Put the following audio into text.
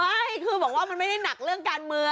ไม่คือบอกว่ามันไม่ได้หนักเรื่องการเมือง